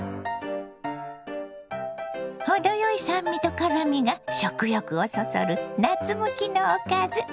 程よい酸味と辛みが食欲をそそる夏向きのおかず。